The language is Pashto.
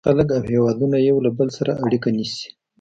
• خلک او هېوادونه یو له بل سره اړیکه نیسي.